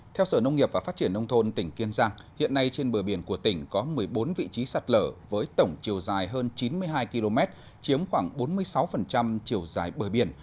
theo sở nông nghiệp và phát triển nông thôn tỉnh kiên giang hiện nay trên bờ biển của tỉnh có một mươi bốn vị trí sạt lở với tổng chiều dài hơn chín mươi hai km chiếm khoảng bốn mươi sáu chiều dài bờ biển